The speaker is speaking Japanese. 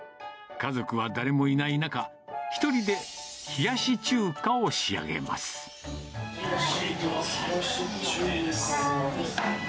家族は誰もいない中、１人で冷や冷し中華です。